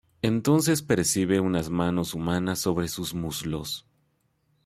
Entonces percibe unas manos humanas sobre sus muslos.